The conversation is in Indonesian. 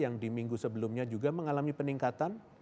yang di minggu sebelumnya juga mengalami peningkatan